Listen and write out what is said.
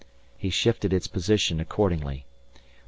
He shifted its position accordingly.